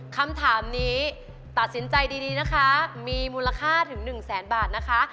คำถามนี้ตัดสินใจดีนะคะมีมูลค่าถึง๑แสนบาทนะคะ